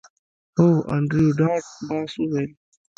هو انډریو ډاټ باس وویل